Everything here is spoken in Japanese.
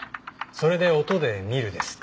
それで「音で見る」ですか。